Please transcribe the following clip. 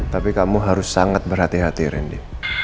tapi kamu harus sangat berhati hati randy